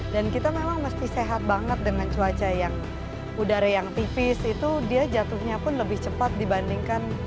dan kita memang mesti sehat banget dengan cuaca yang udara yang tipis itu dia jatuhnya pun lebih cepat dibandingkan